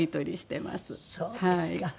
そうですか。